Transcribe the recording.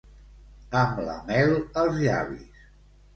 Amb la mel als llavis.